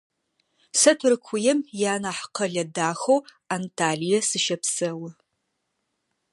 Сэ Тыркуем ианахь къэлэ дахэу Анталие сыщэпсэу.